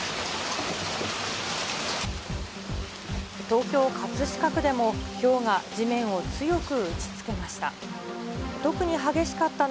東京・葛飾区でもひょうが地面を強く打ちつけました。